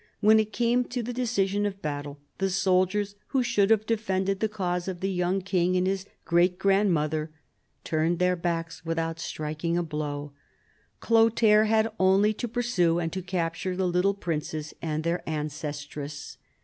When it came to the decision of battle, the soldiers who should have defended the cause of the voung king and his great grandmother turned their backs without striking a blow. Chlothair had only to pursue and to capture the little princes and their ancestress.